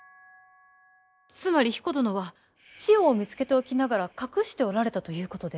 つまり彦殿は千代を見つけておきながら隠しておられたということで？